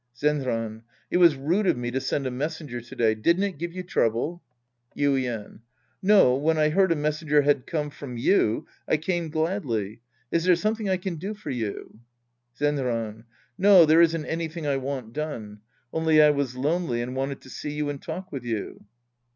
Zenran. It was rude of me to send a messenger to day. Didn't it give you trouble ? Yuien. No. When I heard a messenger had come from you, I came gladly. Is there something I can do for you ? Zenran. No. There jisn't anything I want done. Only I was lonely and wanted to see you and talk with you.